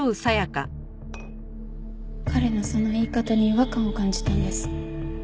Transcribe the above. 彼のその言い方に違和感を感じたんです。